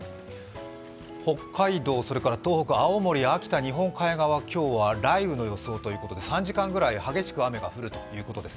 北海道、東北、青森の秋田、日本海側、今日は雷雨の予想ということで３時間くらい激しく雨が降るということです。